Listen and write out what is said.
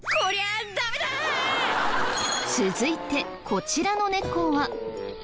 続いてこちらの猫は。